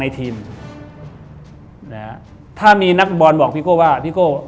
แล้วถ้ามีนักบอลพี่ก้ามันเรียนเกิดบอกว่า